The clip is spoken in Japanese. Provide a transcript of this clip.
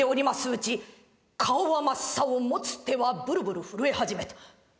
うち顔は真っ青持つ手はブルブル震え始めた。